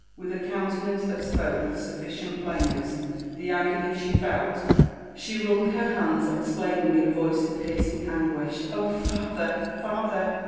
With a countenance that spoke with suflBcient plainness the agony she felt, she wrung her hands, exclaiming in a voice of piercing anguish, " Oh, father I father